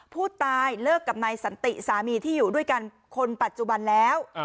ผู้ตายเลิกกับนายสันติสามีที่อยู่ด้วยกันคนปัจจุบันแล้ว